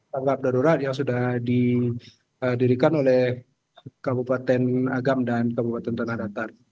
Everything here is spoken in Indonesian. tanggap darurat yang sudah didirikan oleh kabupaten agam dan kabupaten tanah datar